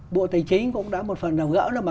bộ tài chính cũng đã một phần đầu gỡ là